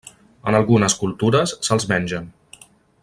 En algunes cultures se'ls mengen.